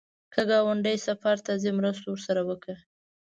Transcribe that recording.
که ګاونډی سفر ته ځي، مرسته ورسره وکړه